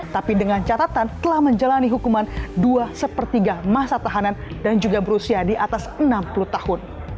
tapi dengan catatan telah menjalani hukuman dua sepertiga masa tahanan dan juga berusia di atas enam puluh tahun